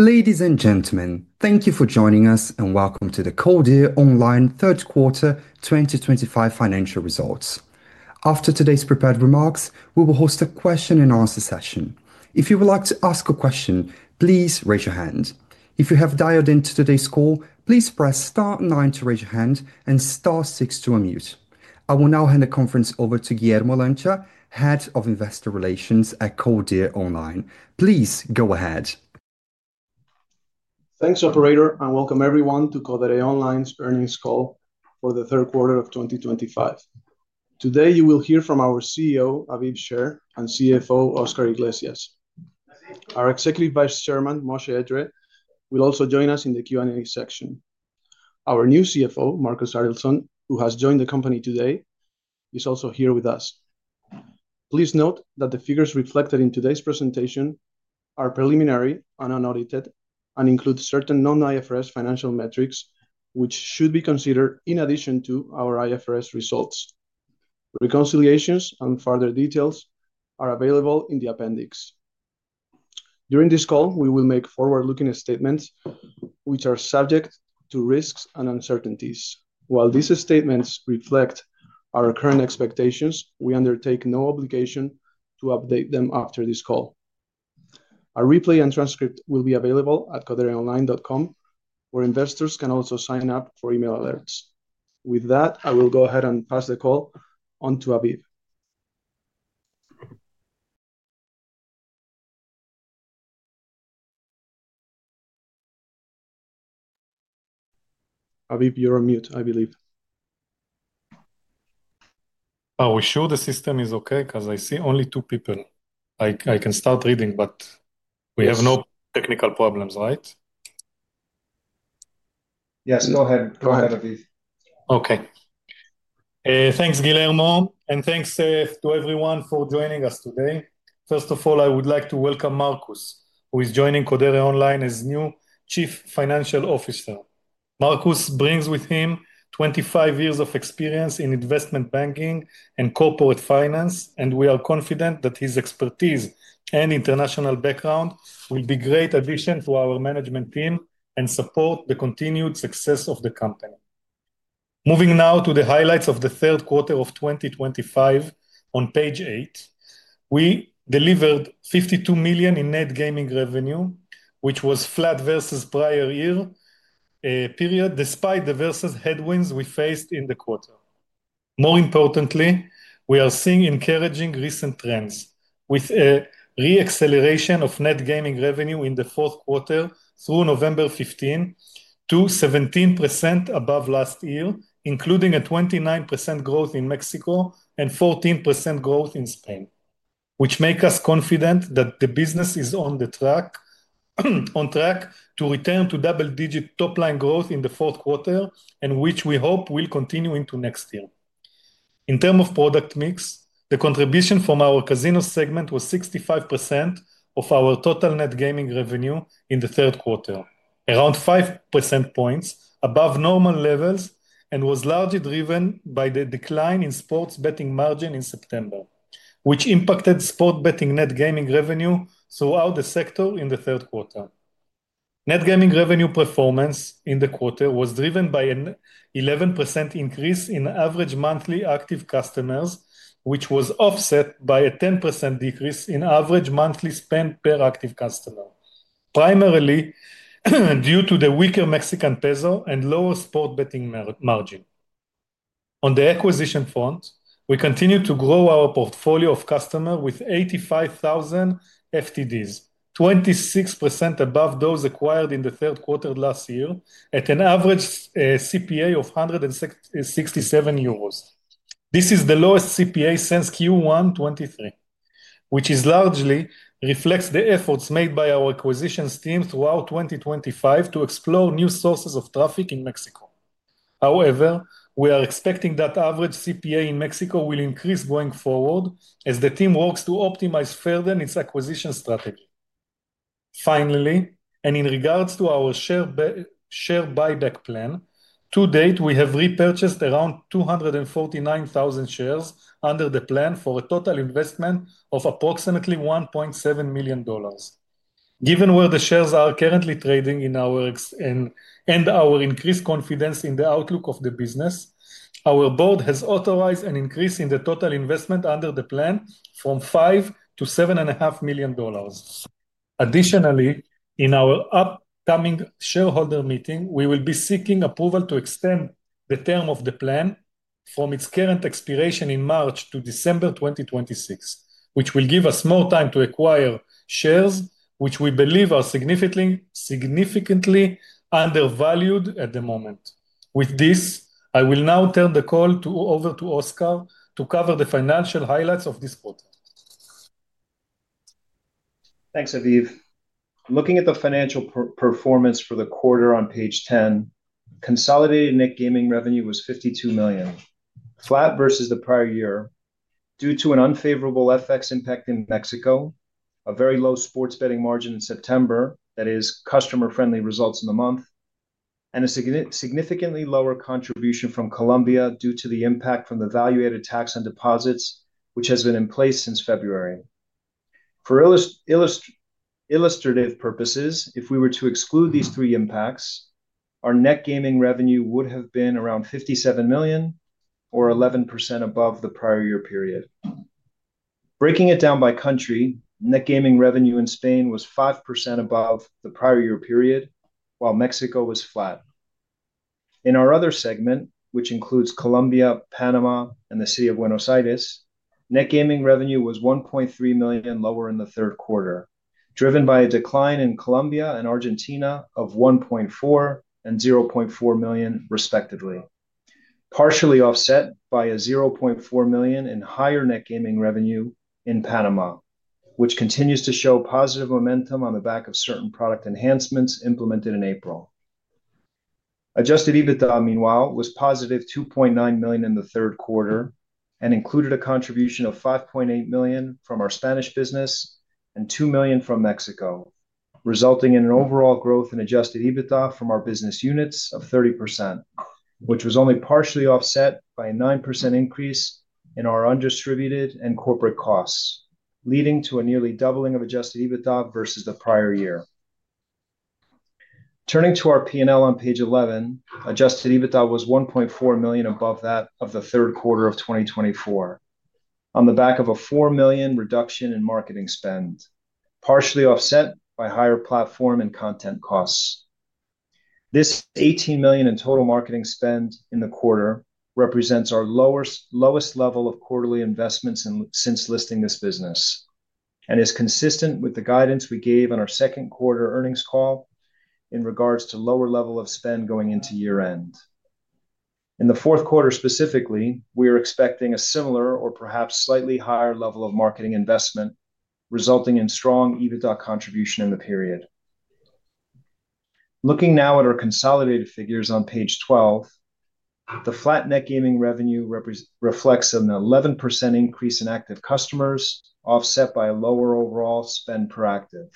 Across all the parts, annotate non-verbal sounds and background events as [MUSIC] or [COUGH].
Ladies and gentlemen, thank you for joining us and welcome to the Codere Online Third Quarter 2025 financial results. After today's prepared remarks, we will host a question-and-answer session. If you would like to ask a question, please raise your hand. If you have dialed into today's call, please press star nine to raise your hand and star six to unmute. I will now hand the conference over to Guillermo Lancha, Head of Investor Relations at Codere Online. Please go ahead. Thanks, Operator, and welcome everyone to Codere Online's earnings call for the Third Quarter of 2025. Today, you will hear from our CEO, Aviv Sher, and CFO, Oscar Iglesias. Our Executive Vice Chairman, Moshe Edree, will also join us in the Q&A section. Our new CFO, Marcus Adelson, who has joined the company today, is also here with us. Please note that the figures reflected in today's presentation are preliminary and unaudited and include certain non-IFRS financial metrics, which should be considered in addition to our IFRS results. Reconciliations and further details are available in the appendix. During this call, we will make forward-looking statements which are subject to risks and uncertainties. While these statements reflect our current expectations, we undertake no obligation to update them after this call. A replay and transcript will be available at codereonline.com, where investors can also sign up for email alerts. With that, I will go ahead and pass the call on to Aviv. Aviv, you're on mute, I believe. Are we sure the system is okay? Because I see only two people. I can start reading, but we have no technical problems, right? Yes, go ahead, Aviv. Okay. Thanks, Guillermo, and thanks to everyone for joining us today. First of all, I would like to welcome Marcus, who is joining Codere Online as new Chief Financial Officer. Marcus brings with him 25 years of experience in investment banking and corporate finance, and we are confident that his expertise and international background will be a great addition to our management team and support the continued success of the company. Moving now to the highlights of the Third Quarter of 2025. On page eight, we delivered 52 million in net gaming revenue, which was flat versus the prior year, despite the headwinds we faced in the Quarter. More importantly, we are seeing encouraging recent trends with a re-acceleration of net gaming revenue in the Fourth Quarter through November 15% to 17% above last year, including 29% growth in Mexico and 14% growth in Spain, which makes us confident that the business is on track to return to double-digit top-line growth in the Fourth Quarter, and which we hope will continue into next year. In terms of product mix, the contribution from our casino segment was 65% of our total net gaming revenue in the Third Quarter, around 5 percentage points above normal levels, and was largely driven by the decline in sports betting margin in September, which impacted sports betting net gaming revenue throughout the sector in the Third Quarter. Net gaming revenue performance in the Quarter was driven by an 11% increase in average monthly active customers, which was offset by a 10% decrease in average monthly spend per active customer, primarily due to the weaker Mexican peso and lower sports betting margin. On the acquisition front, we continue to grow our portfolio of customers with 85,000 FTDs, 26% above those acquired in the Third Quarter last year at an average CPA of 167 euros. This is the lowest CPA since Q1 2023, which largely reflects the efforts made by our acquisitions team throughout 2023 to explore new sources of traffic in Mexico. However, we are expecting that average CPA in Mexico will increase going forward as the team works to optimize further its acquisition strategy. Finally, and in regards to our share buyback plan, to date, we have repurchased around 249,000 shares under the plan for a total investment of approximately $1.7 million. Given where the shares are currently trading and our increased confidence in the outlook of the business, our board has authorized an increase in the total investment under the plan from $5 million to $7.5 million. Additionally, in our upcoming shareholder meeting, we will be seeking approval to extend the term of the plan from its current expiration in March to December 2026, which will give us more time to acquire shares which we believe are significantly undervalued at the moment. With this, I will now turn the call over to Oscar to cover the financial highlights of this Quarter. Thanks, Aviv. Looking at the financial performance for the Quarter on page 10, consolidated net gaming revenue was 52 million, flat versus the prior year due to an unfavorable FX impact in Mexico, a very low sports betting margin in September, that is, customer-friendly results in the month, and a significantly lower contribution from Colombia due to the impact from the value-added tax on deposits, which has been in place since February. For illustrative purposes, if we were to exclude these three impacts, our net gaming revenue would have been around 57 million or 11% above the prior year period. Breaking it down by country, net gaming revenue in Spain was 5% above the prior year period, while Mexico was flat. In our other segment, which includes Colombia, Panama, and the city of Buenos Aires, net gaming revenue was 1.3 million lower in the Third Quarter, driven by a decline in Colombia and Argentina of 1.4 million and 0.4 million, respectively, partially offset by 0.4 million in higher net gaming revenue in Panama, which continues to show positive momentum on the back of certain product enhancements implemented in April. Adjusted EBITDA, meanwhile, was positive 2.9 million in the Third Quarter and included a contribution of 5.8 million from our Spanish business and 2 million from Mexico, resulting in an overall growth in adjusted EBITDA from our business units of 30%, which was only partially offset by a 9% increase in our undistributed and corporate costs, leading to a nearly doubling of adjusted EBITDA versus the prior year. Turning to our P&L on page 11, adjusted EBITDA was 1.4 million above that of the Third Quarter of 2024, on the back of a 4 million reduction in marketing spend, partially offset by higher platform and content costs. This 18 million in total marketing spend in the Quarter represents our lowest level of Quarterly investments since listing this business and is consistent with the guidance we gave on our second Quarter earnings call in regards to lower level of spend going into year-end. In the Fourth Quarter specifically, we are expecting a similar or perhaps slightly higher level of marketing investment, resulting in strong EBITDA contribution in the period. Looking now at our consolidated figures on page 12, the flat net gaming revenue reflects an 11% increase in active customers, offset by lower overall spend per active.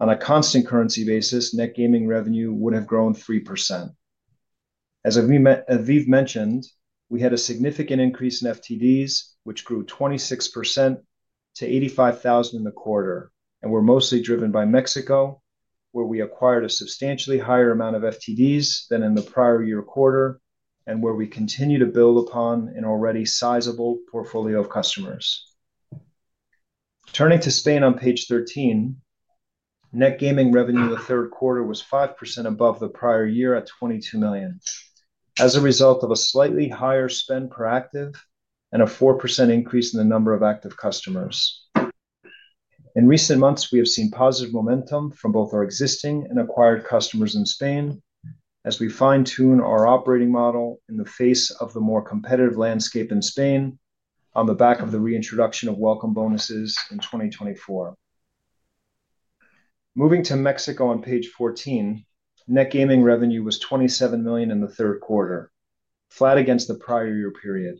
On a constant currency basis, net gaming revenue would have grown 3%. As Aviv mentioned, we had a significant increase in FTDs, which grew 26% to 85,000 in the Quarter, and were mostly driven by Mexico, where we acquired a substantially higher amount of FTDs than in the prior year Quarter, and where we continue to build upon an already sizable portfolio of customers. Turning to Spain on page 13, net gaming revenue in the Third Quarter was 5% above the prior year at 22 million, as a result of a slightly higher spend per active and a 4% increase in the number of active customers. In recent months, we have seen positive momentum from both our existing and acquired customers in Spain as we fine-tune our operating model in the face of the more competitive landscape in Spain on the back of the reintroduction of welcome bonuses in 2024. Moving to Mexico on page 14, net gaming revenue was 27 million in the Third Quarter, flat against the prior year period.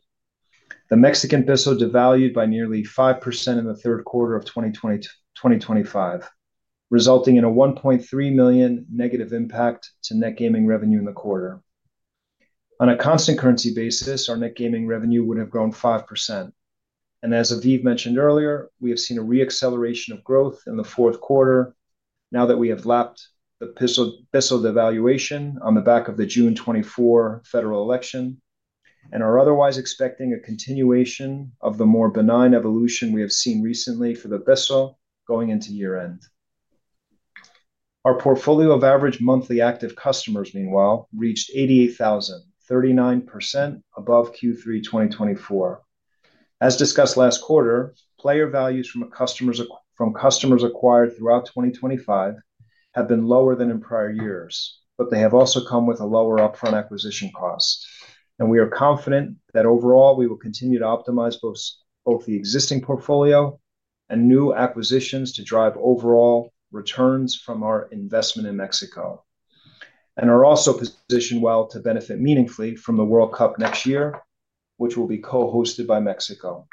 The Mexican peso devalued by nearly 5% in the Third Quarter of 2025, resulting in a 1.3 million negative impact to net gaming revenue in the Quarter. On a constant currency basis, our net gaming revenue would have grown 5%. As Aviv mentioned earlier, we have seen a re-acceleration of growth in the Fourth Quarter now that we have lapped the peso devaluation on the back of the June 2024 federal election, and are otherwise expecting a continuation of the more benign evolution we have seen recently for the peso going into year-end. Our portfolio of average monthly active customers, meanwhile, reached 88,000, 39% above Q3 2024. As discussed last Quarter, player values from customers acquired throughout 2025 have been lower than in prior years, but they have also come with a lower upfront acquisition cost. We are confident that overall, we will continue to optimize both the existing portfolio and new acquisitions to drive overall returns from our investment in Mexico, and are also positioned well to benefit meaningfully from the World Cup next year, which will be co-hosted by Mexico.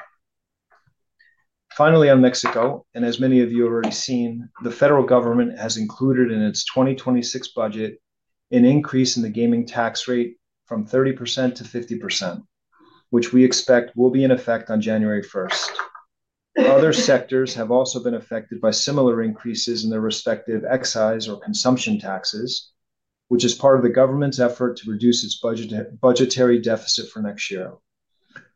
Finally, on Mexico, and as many of you have already seen, the federal government has included in its 2026 budget an increase in the gaming tax rate from 30% to 50%, which we expect will be in effect on January 1. Other sectors have also been affected by similar increases in their respective excise or consumption taxes, which is part of the government's effort to reduce its budgetary deficit for next year.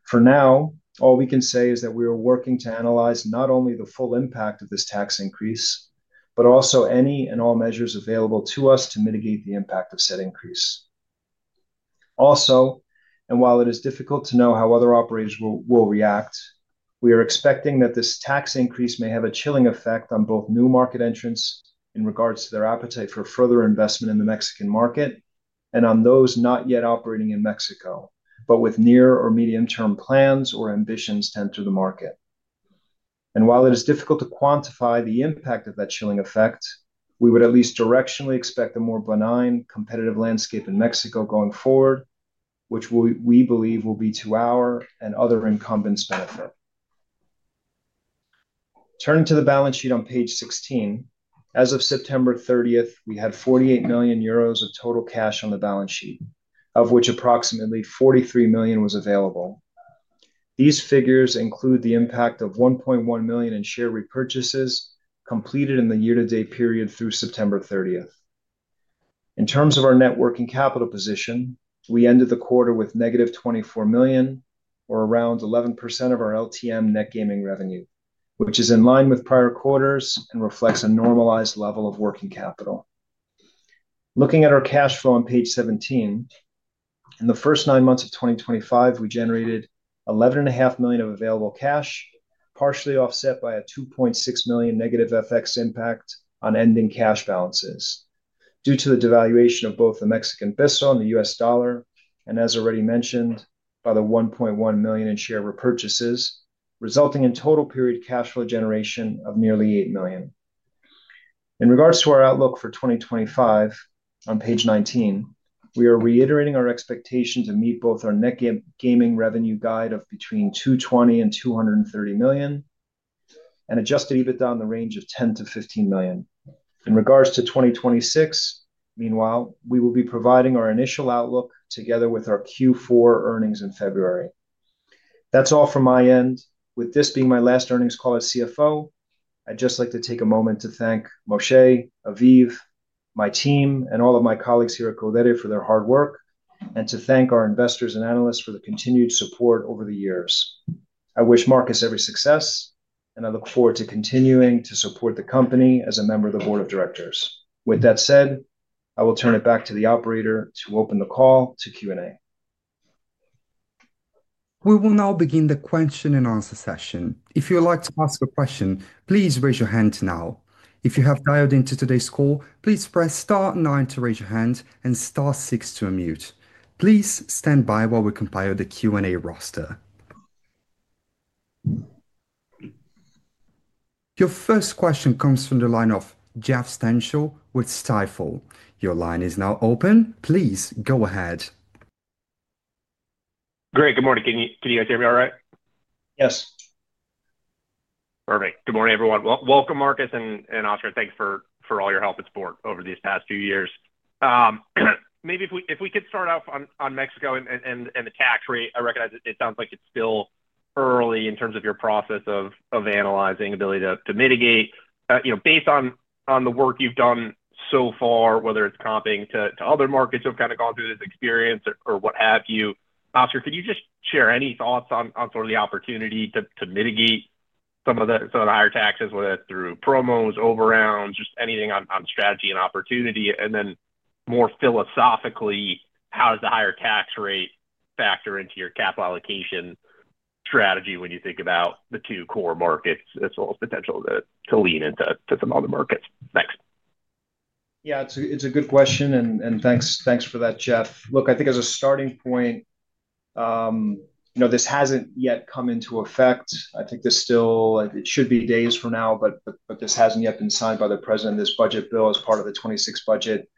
For now, all we can say is that we are working to analyze not only the full impact of this tax increase, but also any and all measures available to us to mitigate the impact of said increase. Also, while it is difficult to know how other operators will react, we are expecting that this tax increase may have a chilling effect on both new market entrants in regards to their appetite for further investment in the Mexican market and on those not yet operating in Mexico, but with near or medium-term plans or ambitions to enter the market. While it is difficult to quantify the impact of that chilling effect, we would at least directionally expect a more benign competitive landscape in Mexico going forward, which we believe will be to our and other incumbents' benefit. Turning to the balance sheet on page 16, as of September 30, we had 48 million euros of total cash on the balance sheet, of which approximately 43 million was available. These figures include the impact of 1.1 million in share repurchases completed in the year-to-date period through September 30. In terms of our net working capital position, we ended the Quarter with negative 24 million, or around 11% of our LTM net gaming revenue, which is in line with prior Quarters and reflects a normalized level of working capital. Looking at our cash flow on page 17, in the first nine months of 2025, we generated 11.5 million of available cash, partially offset by a 2.6 million negative FX impact on ending cash balances due to the devaluation of both the Mexican peso and the US dollar, and as already mentioned, by the 1.1 million in share repurchases, resulting in total period cash flow generation of nearly 8 million. In regards to our outlook for 2025, on page 19, we are reiterating our expectation to meet both our net gaming revenue guide of between 220 million and 230 million, and adjusted EBITDA in the range of 10-15 million. In regards to 2026, meanwhile, we will be providing our initial outlook together with our Q4 earnings in February. That's all from my end. With this being my last earnings call as CFO, I'd just like to take a moment to thank Moshe, Aviv, my team, and all of my colleagues here at Codere Online for their hard work, and to thank our investors and analysts for the continued support over the years. I wish Marcus every success, and I look forward to continuing to support the company as a member of the board of directors. With that said, I will turn it back to the operator to open the call to Q&A. We will now begin the question and answer session. If you would like to ask a question, please raise your hand now. If you have dialed into today's call, please press star nine to raise your hand and star six to unmute. Please stand by while we compile the Q&A roster. Your first question comes from the line of Jeff Stantial with Stifel. Your line is now open. Please go ahead. Great. Good morning. Can you guys hear me all right? Yes. Perfect. Good morning, everyone. Welcome, Marcus and Oscar. Thanks for all your help and support over these past few years. Maybe if we could start off on Mexico and the tax rate, I recognize it sounds like it's still early in terms of your process of analyzing the ability to mitigate. Based on the work you've done so far, whether it's comping to other markets who have kind of gone through this experience or what have you, Oscar, could you just share any thoughts on sort of the opportunity to mitigate some of the higher taxes, whether that's through promos, over-rounds, just anything on strategy and opportunity? More philosophically, how does the higher tax rate factor into your capital allocation strategy when you think about the two core markets as well as potential to lean into some other markets? Thanks. Yeah, it's a good question, and thanks for that, Jeff. Look, I think as a starting point, this hasn't yet come into effect. I think it should be days from now, but this hasn't yet been signed by the president. This budget bill as part of the 2026 budget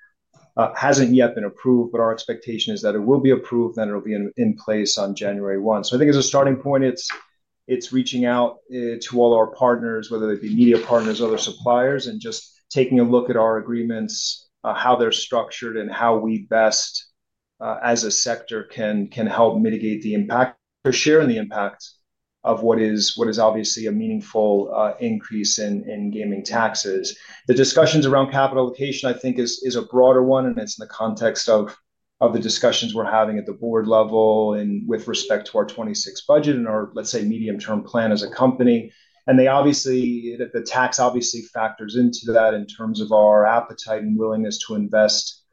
hasn't yet been approved, but our expectation is that it will be approved and that it'll be in place on January 1. I think as a starting point, it's reaching out to all our partners, whether they be media partners or other suppliers, and just taking a look at our agreements, how they're structured, and how we best, as a sector, can help mitigate the impact or share in the impact of what is obviously a meaningful increase in gaming taxes. The discussions around capital allocation, I think, is a broader one, and it's in the context of the discussions we're having at the board level and with respect to our 2026 budget and our, let's say, medium-term plan as a company. The tax obviously factors into that in terms of our appetite and willingness to invest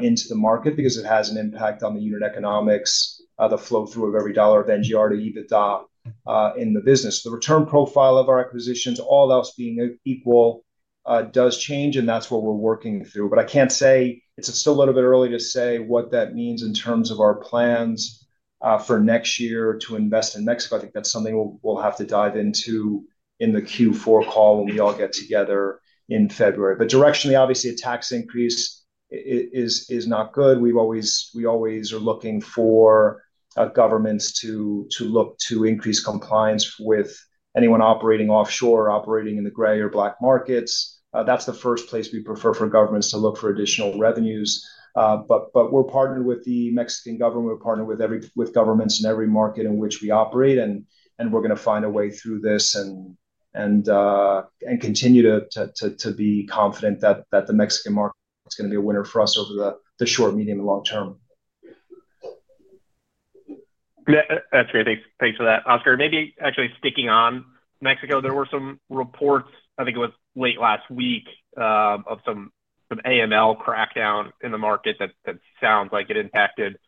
into the market because it has an impact on the unit economics, the flow-through of every dollar of NGR to EBITDA in the business. The return profile of our acquisitions, all else being equal, does change, and that's what we're working through. I can't say it's still a little bit early to say what that means in terms of our plans for next year to invest in Mexico. I think that's something we'll have to dive into in the Q4 call when we all get together in February. Directionally, obviously, a tax increase is not good. We always are looking for governments to look to increase compliance with anyone operating offshore or operating in the gray or black markets. That's the first place we prefer for governments to look for additional revenues. We are partnered with the Mexican government. We are partnered with governments in every market in which we operate, and we are going to find a way through this and continue to be confident that the Mexican market is going to be a winner for us over the short, medium, and long term. That's great. Thanks for that. Oscar, maybe actually sticking on Mexico, there were some reports, I think it was late last week, of some AML crackdown in the market that sounds like it impacted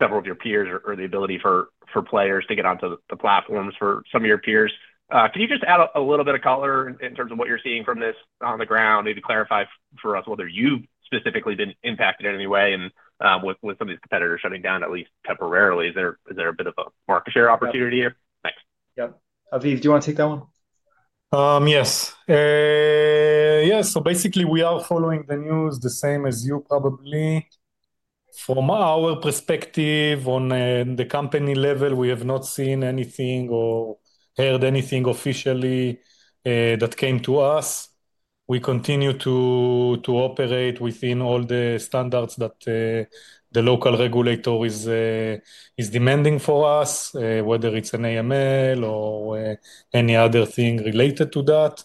several of your peers or the ability for players to get onto the platforms for some of your peers. Could you just add a little bit of color in terms of what you're seeing from this on the ground? Maybe clarify for us whether you've specifically been impacted in any way with some of these competitors shutting down at least temporarily. Is there a bit of a market share opportunity here? Thanks. Yep. Aviv, do you want to take that one? Yes. Yeah. Basically, we are following the news the same as you probably. From our perspective on the company level, we have not seen anything or heard anything officially that came to us. We continue to operate within all the standards that the local regulator is demanding for us, whether it's an AML or any other thing related to that.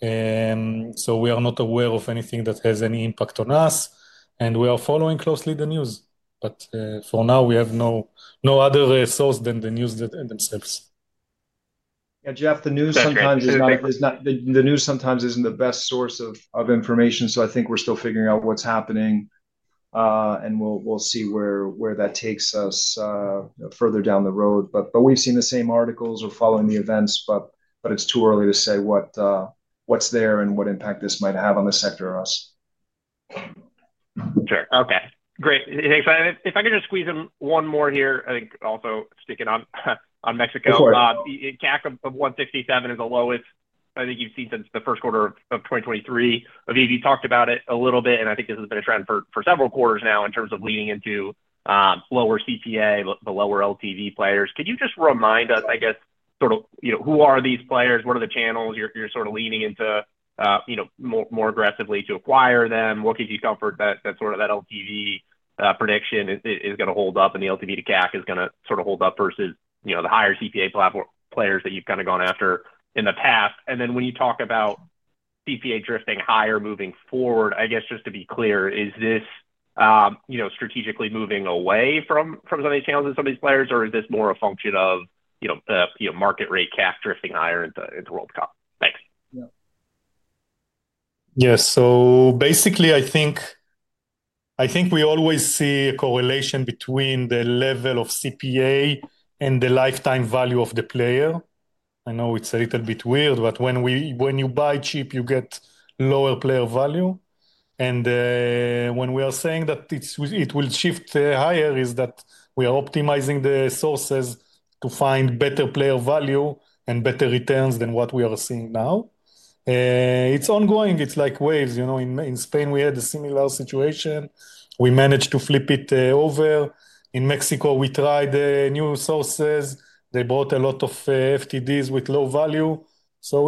We are not aware of anything that has any impact on us, and we are following closely the news. For now, we have no other source than the news themselves. Yeah, Jeff, the news sometimes is not the news sometimes isn't the best source of information. I think we're still figuring out what's happening, and we'll see where that takes us further down the road. We've seen the same articles or following the events, but it's too early to say what's there and what impact this might have on the sector or us. Sure. Okay. Great. Thanks. If I could just squeeze in one more here, I think also sticking on Mexico. Go for it. CAC of 167 is the lowest I think you've seen since the First Quarter of 2023. Aviv, you talked about it a little bit, and I think this has been a trend for several Quarters now in terms of leaning into lower CPA, the lower LTV players. Could you just remind us, I guess, sort of who are these players? What are the channels you're sort of leaning into more aggressively to acquire them? What gives you comfort that sort of that LTV prediction is going to hold up and the LTV to CAC is going to sort of hold up versus the higher CPA players that you've kind of gone after in the past? When you talk about CPA drifting higher moving forward, I guess just to be clear, is this strategically moving away from some of these channels and some of these players, or is this more a function of market rate CAC drifting higher into World Cup? Thanks. Yeah. So basically, I think we always see a correlation between the level of CPA and the lifetime value of the player. I know it's a little bit weird, but when you buy cheap, you get lower player value. When we are saying that it will shift higher, it is that we are optimizing the sources to find better player value and better returns than what we are seeing now. It's ongoing. It's like waves. In Spain, we had a similar situation. We managed to flip it over. In Mexico, we tried new sources. They bought a lot of FTDs with low value.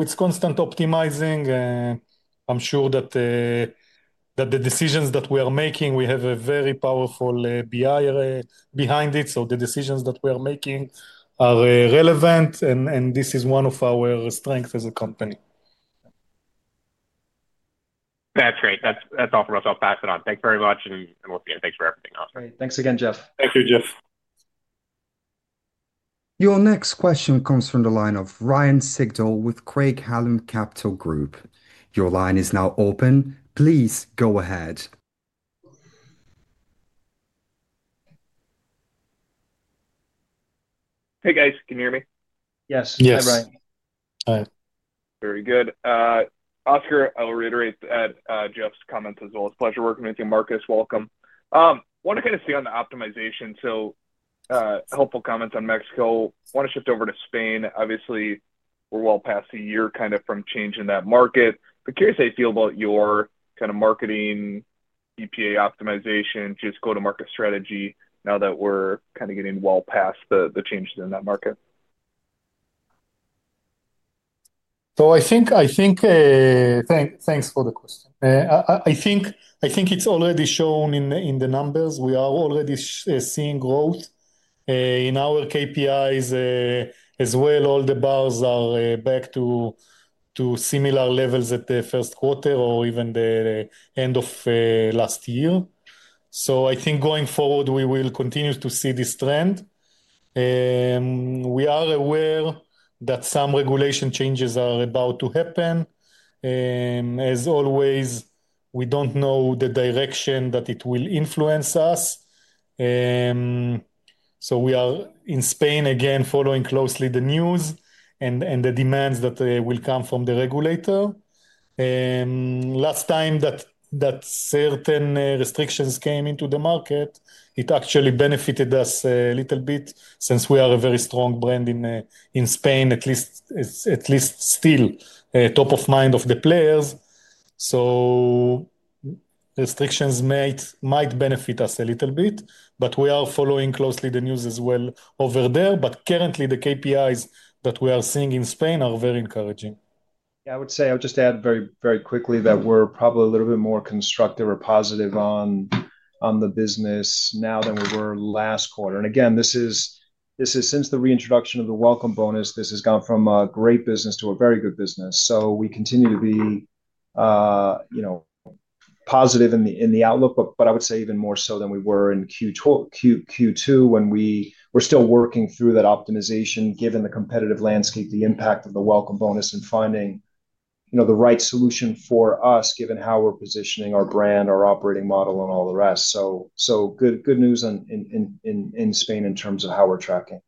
It's constant optimizing. I'm sure that the decisions that we are making, we have a very powerful BI behind it. The decisions that we are making are relevant, and this is one of our strengths as a company. That's great. That's awesome. I'll pass it on. Thanks very much, and thanks for everything, Oscar. Thanks again, Jeff. Thank you, Jeff. Your next question comes from the line of Ryan Sigdahl with Craig-Hallum Capital Group. Your line is now open. Please go ahead. Hey, guys. Can you hear me? Yes. Yes. Hi, Ryan. Hi. Very good. Oscar, I'll reiterate Jeff's comments as well. It's a pleasure working with you. Marcus, welcome. I want to kind of stay on the optimization. So, helpful comments on Mexico. I want to shift over to Spain. Obviously, we're well past a year kind of from changing that market. But curious how you feel about your kind of marketing, CPA optimization, just go-to-market strategy now that we're kind of getting well past the changes in that market. I think thanks for the question. I think it's already shown in the numbers. We are already seeing growth in our KPIs as well. All the bars are back to similar levels at the First Quarter or even the end of last year. I think going forward, we will continue to see this trend. We are aware that some regulation changes are about to happen. As always, we don't know the direction that it will influence us. We are in Spain again following closely the news and the demands that will come from the regulator. Last time that certain restrictions came into the market, it actually benefited us a little bit since we are a very strong brand in Spain, at least still top of mind of the players. Restrictions might benefit us a little bit, but we are following closely the news as well over there. Currently, the KPIs that we are seeing in Spain are very encouraging. Yeah, I would say I would just add very, very quickly that we're probably a little bit more constructive or positive on the business now than we were last Quarter. Again, this is since the reintroduction of the welcome bonus, this has gone from a great business to a very good business. We continue to be positive in the outlook, but I would say even more so than we were in Q2 when we were still working through that optimization given the competitive landscape, the impact of the welcome bonus, and finding the right solution for us given how we're positioning our brand, our operating model, and all the rest. Good news in Spain in terms of how we're tracking.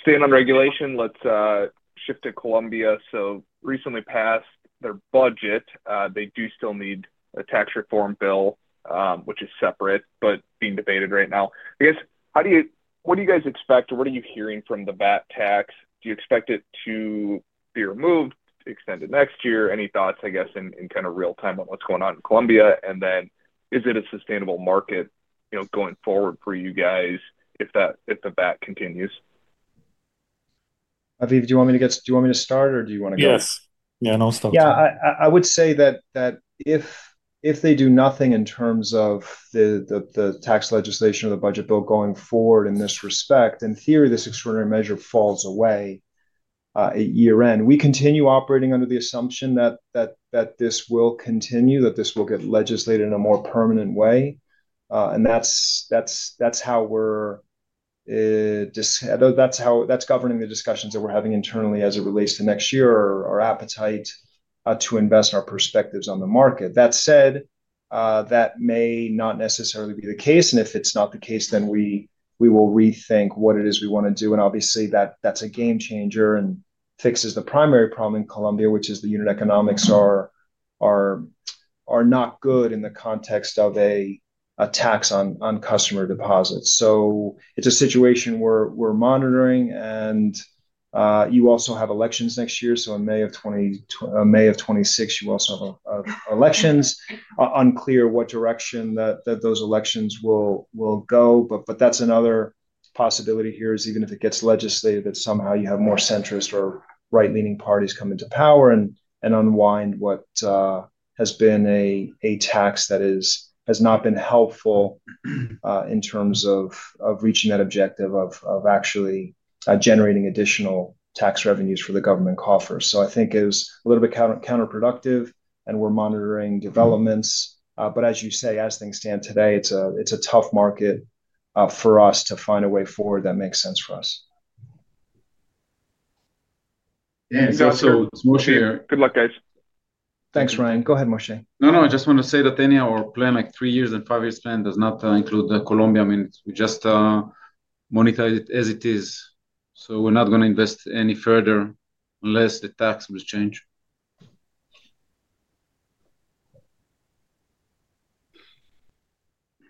Staying on regulation, let's shift to Colombia. Recently passed their budget. They do still need a tax reform bill, which is separate, but being debated right now. I guess, what do you guys expect or what are you hearing from the VAT? Do you expect it to be removed, extended next year? Any thoughts, I guess, in kind of real time on what's going on in Colombia? Is it a sustainable market going forward for you guys if the VAT continues? Aviv, do you want me to start or do you want to go? Yes. Yeah, then I'll start. Yeah. I would say that if they do nothing in terms of the tax legislation or the budget bill going forward in this respect, in theory, this extraordinary measure falls away year-end. We continue operating under the assumption that this will continue, that this will get legislated in a more permanent way. That is governing the discussions that we're having internally as it relates to next year, our appetite to invest, our perspectives on the market. That said, that may not necessarily be the case. If it's not the case, then we will rethink what it is we want to do. Obviously, that's a game changer and fixes the primary problem in Colombia, which is the unit economics are not good in the context of a tax on customer deposits. It is a situation we're monitoring. You also have elections next year. In May of 2026, you also have elections. Unclear what direction that those elections will go. That is another possibility here is even if it gets legislated, that somehow you have more centrist or right-leaning parties come into power and unwind what has been a tax that has not been helpful in terms of reaching that objective of actually generating additional tax revenues for the government coffers. I think it was a little bit counterproductive, and we're monitoring developments. As you say, as things stand today, it's a tough market for us to find a way forward that makes sense for us. [CROSSTALK] Good luck, guys. Thanks, Ryan. Go ahead, Moshe. No, no. I just want to say that any of our plan, like three years and five years plan, does not include Colombia. I mean, we just monetize it as it is. So we're not going to invest any further unless the tax will change.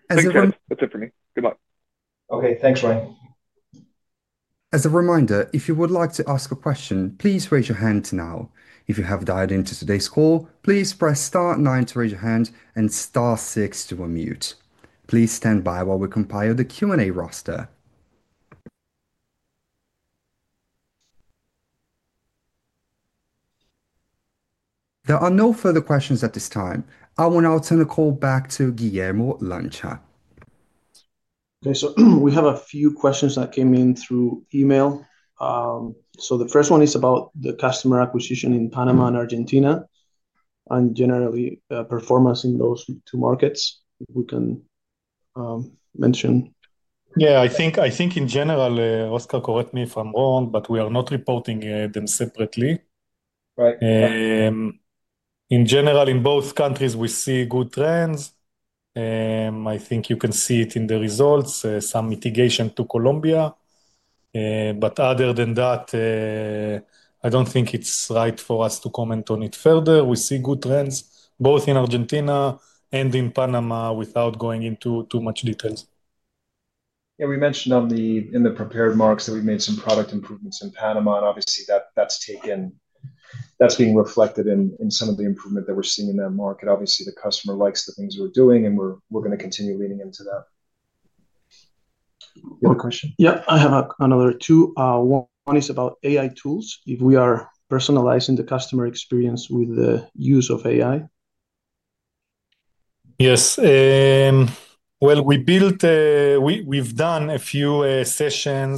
That's it for me. Good luck. Okay. Thanks, Ryan. As a reminder, if you would like to ask a question, please raise your hand now. If you have dialed into today's call, please press star nine to raise your hand and star six to unmute. Please stand by while we compile the Q&A roster. There are no further questions at this time. I will now turn the call back to Guillermo Lancha. Okay. We have a few questions that came in through email. The first one is about the customer acquisition in Panama and Argentina and generally performance in those two markets. We can mention. Yeah. I think in general, Oscar, correct me if I'm wrong, but we are not reporting them separately. In general, in both countries, we see good trends. I think you can see it in the results, some mitigation to Colombia. Other than that, I do not think it is right for us to comment on it further. We see good trends both in Argentina and in Panama without going into too much details. Yeah. We mentioned in the prepared marks that we've made some product improvements in Panama, and obviously, that's being reflected in some of the improvement that we're seeing in that market. Obviously, the customer likes the things we're doing, and we're going to continue leaning into that. Yeah. I have another two. One is about AI tools, if we are personalizing the customer experience with the use of AI. Yes. We have done a few sessions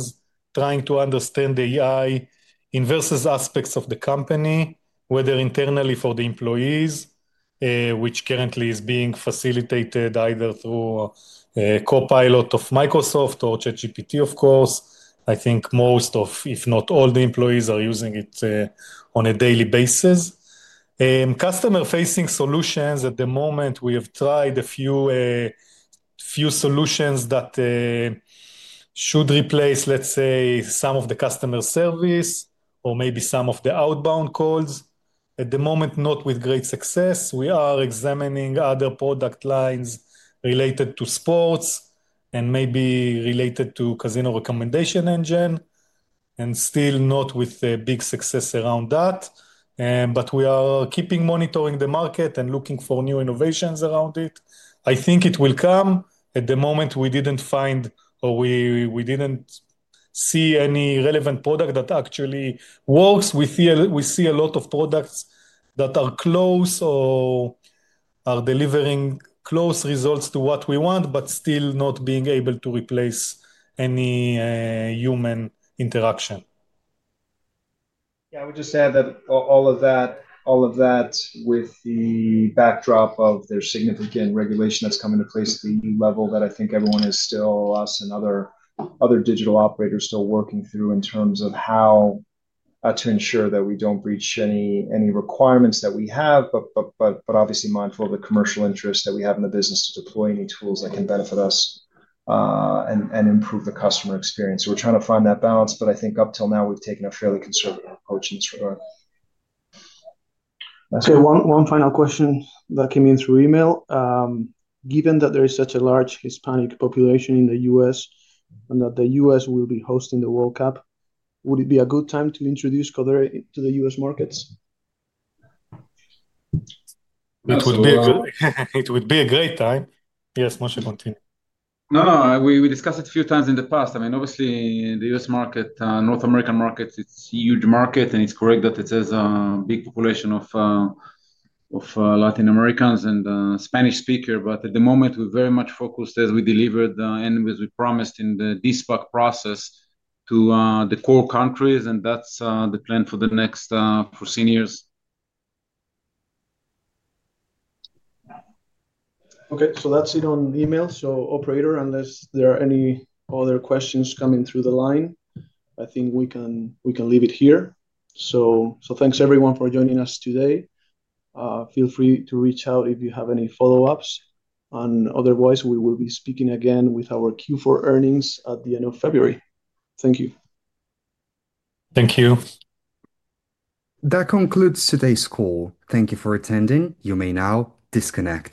trying to understand the AI in various aspects of the company, whether internally for the employees, which currently is being facilitated either through Copilot of Microsoft or ChatGPT, of course. I think most of, if not all, the employees are using it on a daily basis. Customer-facing solutions at the moment, we have tried a few solutions that should replace, let's say, some of the customer service or maybe some of the outbound calls. At the moment, not with great success. We are examining other product lines related to sports and maybe related to casino recommendation engine, and still not with big success around that. We are keeping monitoring the market and looking for new innovations around it. I think it will come. At the moment, we didn't find or we didn't see any relevant product that actually works. We see a lot of products that are close or are delivering close results to what we want, but still not being able to replace any human interaction. Yeah. I would just add that all of that, with the backdrop of there's significant regulation that's come into place at the new level that I think everyone is still, us and other digital operators, still working through in terms of how to ensure that we don't breach any requirements that we have, but obviously mindful of the commercial interest that we have in the business to deploy any tools that can benefit us and improve the customer experience. We are trying to find that balance, but I think up till now, we've taken a fairly conservative approach in this regard. One final question that came in through email. Given that there is such a large Hispanic population in the U.S. and that the U.S. will be hosting the World Cup, would it be a good time to introduce Codere Online to the U.S. markets? It would be a great time. Yes, Moshe, continue. No, no. We discussed it a few times in the past. I mean, obviously, the U.S. market, North American market, it's a huge market, and it's correct that it has a big population of Latin Americans and Spanish speakers. At the moment, we're very much focused as we delivered and as we promised in the de-SPAC process to the core countries, and that's the plan for the next four years. Okay. That is it on email. Operator, unless there are any other questions coming through the line, I think we can leave it here. Thanks everyone for joining us today. Feel free to reach out if you have any follow-ups. Otherwise, we will be speaking again with our Q4 earnings at the end of February. Thank you. Thank you. That concludes today's call. Thank you for attending. You may now disconnect.